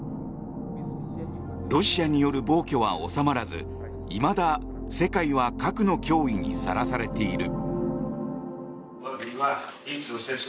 ロシアによる暴挙は収まらずいまだ世界は核の脅威にさらされている。